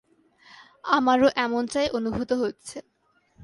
আমারও এমটাই অনুভূত হচ্ছে।